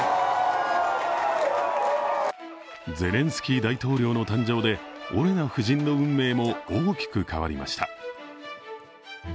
ゼレンスキー大統領の誕生でオレナ夫人の運命も大きく変わりました。